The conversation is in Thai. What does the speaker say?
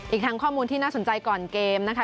อีกทั้งข้อมูลที่น่าสนใจก่อนเกมนะคะ